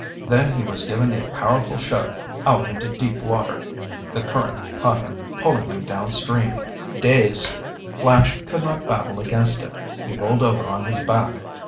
Then he was given a powerful shove out into deep water. The current caught him, pulling him downstream. Dazed, Flash could not battle against it. He rolled over on his back.